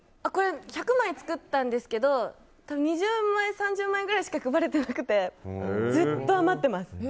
１００枚作ったんですけど２０枚、３０枚ぐらいしか配れてなくて、ずっと余ってます。